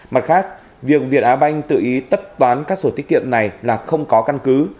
mặt khác việc việt á banh tự ý tất toán các sổ tiết kiệm này là không có căn cứ